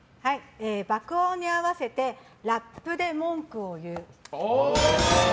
爆音に合わせてラップで文句を言う。